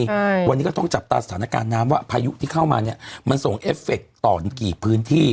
ใช่วันนี้ก็ต้องจับตาสถานการณ์น้ำว่าพายุที่เข้ามาเนี้ยมันส่งเอฟเฟคต่อกี่พื้นที่